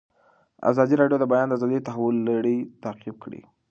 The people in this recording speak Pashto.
ازادي راډیو د د بیان آزادي د تحول لړۍ تعقیب کړې.